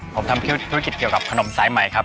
ผมทำธุรกิจเกี่ยวกับขนมสายใหม่ครับ